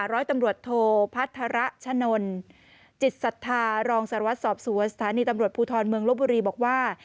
ร้อยตำรวจโทพัฒระชะนนจิตศรัทธารองสารวัตรสอบสวนสถานีตำรวจภูทรเมืองลบบุรีบอกว่า